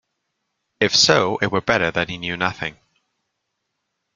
If so, it were better that he knew nothing.